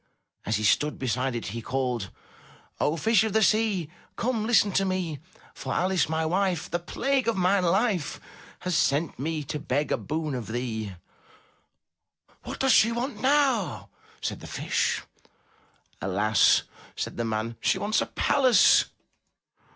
As he stood beside it he called: "O Fish of the Sea, come, listen to me. For Alice, my wife, the plague of my life, Has sent me to beg a boon of thee. 195 MY BOOK HOUSE ''What does she want now?" said the Fish. ''Alas!'* said the man. "She wants a palace.''